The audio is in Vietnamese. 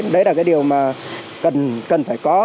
đấy là cái điều mà cần phải có